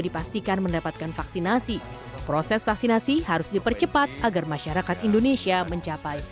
dipastikan mendapatkan vaksinasi proses vaksinasi harus dipercepat agar masyarakat indonesia mencapai